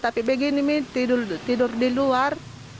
tapi begini mie tidur di luar